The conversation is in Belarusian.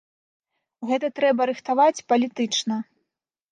Гэта трэба рыхтаваць палітычна.